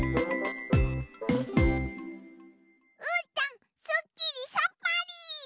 うーたんすっきりさっぱり！